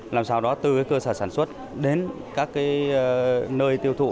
làm sao đó từ cơ sở sản xuất đến các nơi tiêu thụ